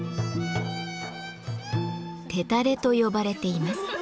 「テタレ」と呼ばれています。